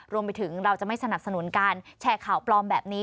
รวมไปถึงเราจะไม่สนับสนุนการแชร์ข่าวปลอมแบบนี้